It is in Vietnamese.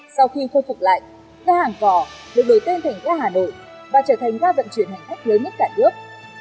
sau khi khôi phục lại gà hàng cỏ được đổi tên thành gà hà nội và trở thành gà vận chuyển hành khách lớn nhất cả nước